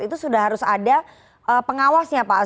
itu sudah harus ada pengawasnya pak